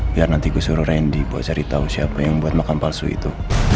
biar nanti gue suruh randy buat cari tau siapa yang buat makam palsu itu